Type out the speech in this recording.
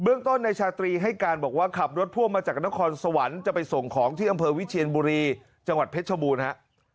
ต้นในชาตรีให้การบอกว่าขับรถพ่วงมาจากนครสวรรค์จะไปส่งของที่อำเภอวิเชียนบุรีจังหวัดเพชรชบูรณ์ฮะ